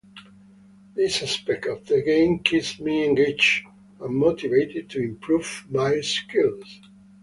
This aspect of the game keeps me engaged and motivated to improve my skills.